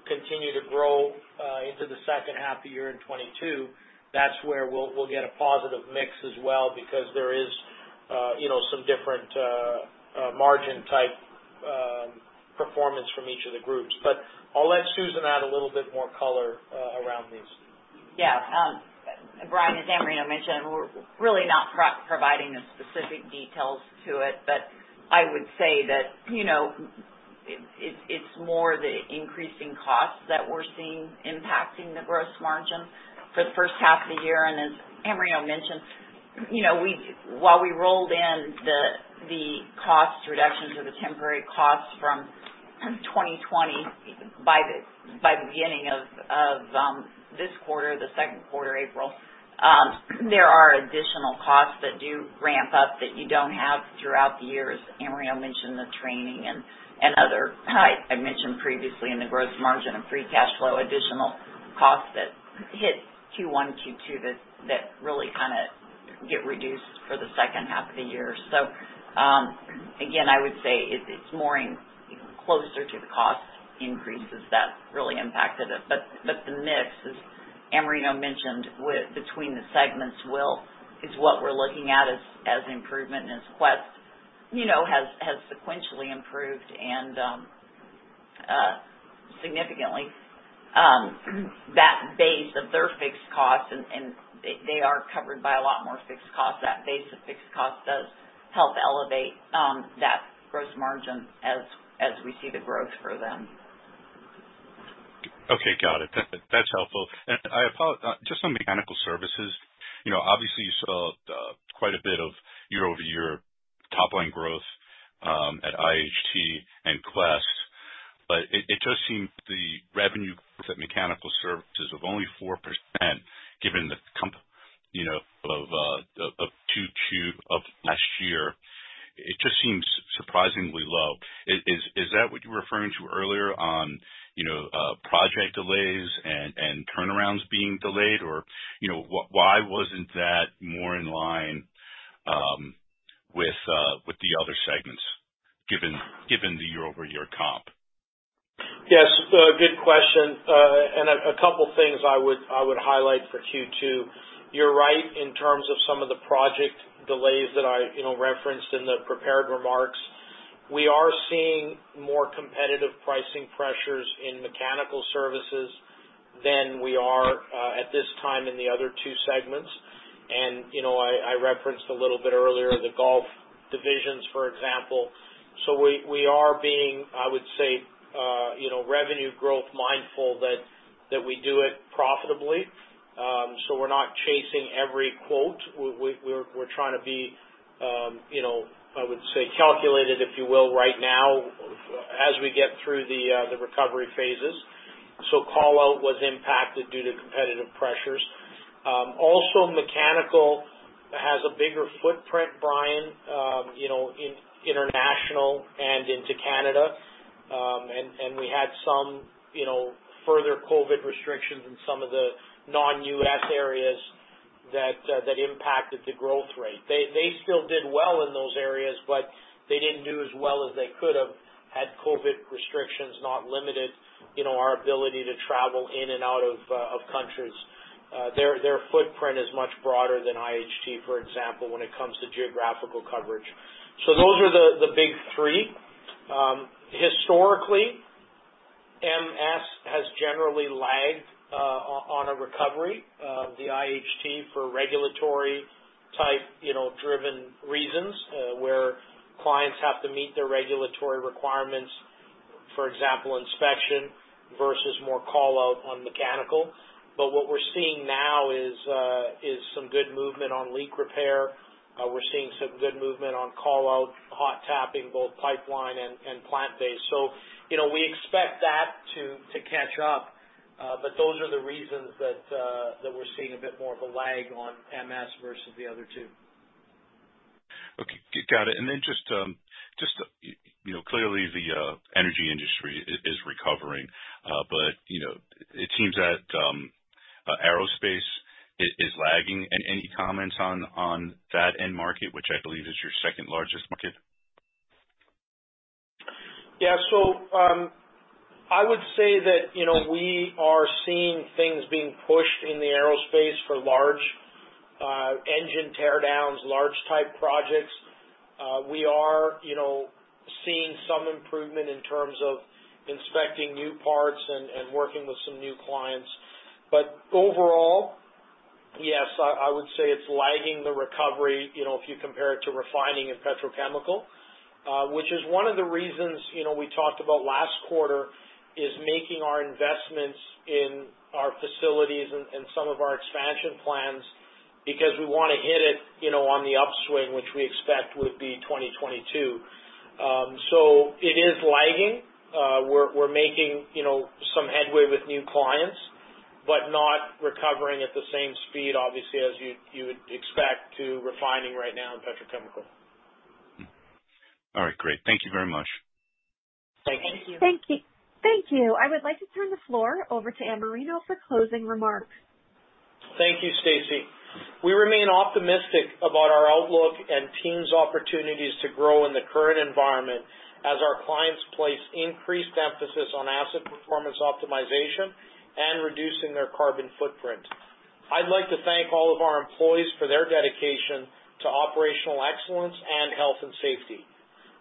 continue to grow into the second half of 2022, that's where we'll get a positive mix as well, because there is some different margin type performance from each of the groups. I'll let Susan add a little bit more color around these. Yeah. Brian, as Amerino mentioned, we're really not providing the specific details to it, but I would say that it's more the increasing costs that we're seeing impacting the gross margin for the first half of the year. As Amerino mentioned, while we rolled in the cost reductions or the temporary costs from 2020 by the beginning of this quarter, the second quarter, April, there are additional costs that do ramp up that you don't have throughout the year, as Amerino mentioned, the training and other. I mentioned previously in the gross margin of free cash flow, additional costs that hit Q1, Q2, that really kind of get reduced for the second half of the year. Again, I would say it's more closer to the cost increases that really impacted it. The mix, as Amerino mentioned, between the segments is what we're looking at as improvement. As Quest has sequentially improved and significantly, that base of their fixed costs, and they are covered by a lot more fixed costs. That base of fixed costs does help elevate that gross margin as we see the growth for them. Okay. Got it. That's helpful. Just on Mechanical Services, obviously you saw quite a bit of year-over-year top-line growth, at IHT and Quest, but it just seems the revenue at Mechanical Services of only 4% given the comp of last year, it just seems surprisingly low. Is that what you were referring to earlier on project delays and turnarounds being delayed? Why wasn't that more in line with the other segments, given the year-over-year comp? Yes. Good question. A couple things I would highlight for Q2. You're right in terms of some of the project delays that I referenced in the prepared remarks. We are seeing more competitive pricing pressures in Mechanical Services than we are at this time in the other two segments. I referenced a little bit earlier the Gulf divisions, for example. We are being, I would say, revenue growth mindful that we do it profitably. We're not chasing every quote. We're trying to be, I would say, calculated, if you will, right now as we get through the recovery phases. Call-out was impacted due to competitive pressures. Also, Mechanical has a bigger footprint, Brian, in international and into Canada. We had some further COVID restrictions in some of the non-U.S. areas that impacted the growth rate. They still did well in those areas, but they didn't do as well as they could have had COVID restrictions not limited our ability to travel in and out of countries. Their footprint is much broader than IHT, for example, when it comes to geographical coverage. Those are the big three. Historically, MS has generally lagged on a recovery. The IHT for regulatory type driven reasons, where clients have to meet their regulatory requirements, for example, inspection versus more call-out on mechanical. What we're seeing now is some good movement on leak repair. We're seeing some good movement on call-out, hot tapping, both pipeline and plant-based. We expect that to catch up. Those are the reasons that we're seeing a bit more of a lag on MS versus the other two. Okay. Got it. Just, clearly the energy industry is recovering, but it seems that aerospace is lagging. Any comments on that end market, which I believe is your second largest market? Yeah. I would say that we are seeing things being pushed in the aerospace for large engine teardowns, large type projects. We are seeing some improvement in terms of inspecting new parts and working with some new clients. Overall, yes, I would say it's lagging the recovery, if you compare it to refining and petrochemical, which is one of the reasons we talked about last quarter, is making our investments in our facilities and some of our expansion plans because we want to hit it on the upswing, which we expect would be 2022. It is lagging. We're making some headway with new clients, but not recovering at the same speed, obviously, as you would expect to refining right now in petrochemical. All right, great. Thank you very much. Thank you. Thank you. I would like to turn the floor over to Amerino for closing remarks. Thank you, Stacy. We remain optimistic about our outlook and TEAM's opportunities to grow in the current environment as our clients place increased emphasis on asset performance optimization and reducing their carbon footprint. I'd like to thank all of our employees for their dedication to operational excellence and health and safety.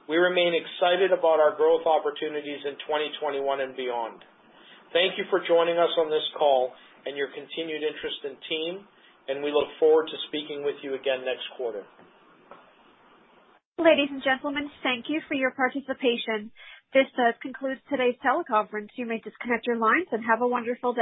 We remain excited about our growth opportunities in 2021 and beyond. Thank you for joining us on this call and your continued interest in TEAM. We look forward to speaking with you again next quarter. Ladies and gentlemen, thank you for your participation. This concludes today's teleconference. You may disconnect your lines, and have a wonderful day.